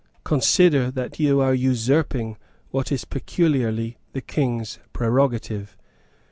Consider that you are usurping what is peculiarly the King's prerogative.